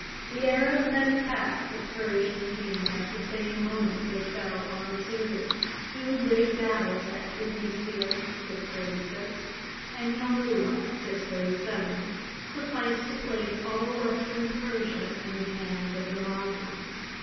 The Arabs had attacked the Persian kingdom at the same moment that they fell on Syria: two great battles at Kadesia and Yalulah sufficed to place all Western Persia in the hands of the Moslems.